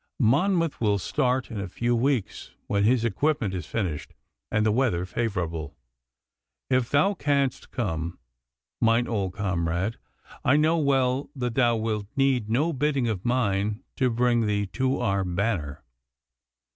Monmouth will start in a few weeks, when his equipment is finished and the weather favourable. If thou canst come, mine old comrade, I know well that thou wilt need no bidding of mine to bring thee to our banner.